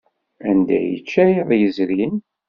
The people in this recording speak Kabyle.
Anda ay yečča iḍ yezrin?